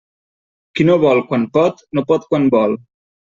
Qui no vol quan pot, no pot quan vol.